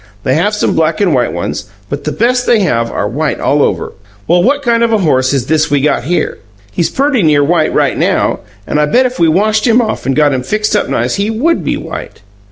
They have some black and white ones; but the best they have are white all over. Well, what kind of a horse is this we got here? He's perty near white right now, and I bet if we washed him off and got him fixed up nice he WOULD be white.